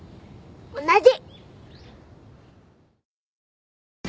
同じ。